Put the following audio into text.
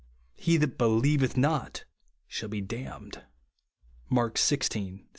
"He that believeth not shall be damned," (Mark xvi. 16).